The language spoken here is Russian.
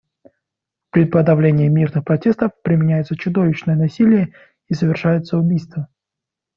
При подавлении мирных протестов применяется чудовищное насилие и совершаются убийства.